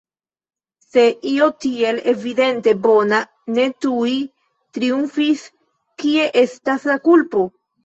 Se io tiel evidente bona ne tuj triumfis, kie estas la kulpo?